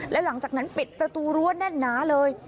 และหลังจากนั้นปิดประตูรั้วแน่นหนาเลย